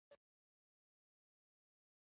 پرون د احمد سترګې رډې را ختلې وې.